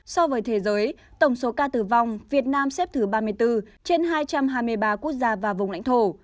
so với thế giới tổng số ca tử vong việt nam xếp thứ ba mươi bốn trên hai trăm hai mươi ba quốc gia và vùng lãnh thổ